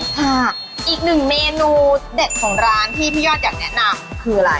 ค่ะอีกหนึ่งเมนูเด็ดของร้านที่พี่ยอดอยากแนะนำคืออะไร